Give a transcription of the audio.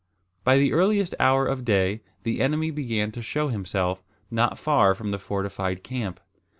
By the earliest hour of day the enemy began to show himself, not far from the fortified camp.